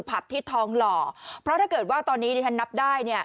ผับที่ทองหล่อเพราะถ้าเกิดว่าตอนนี้ที่ฉันนับได้เนี่ย